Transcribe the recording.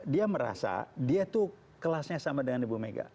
dia merasa dia itu kelasnya sama dengan ibu mega